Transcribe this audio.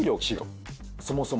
そもそも。